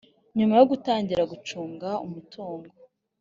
nyuma yo gutangira gucunga umutungo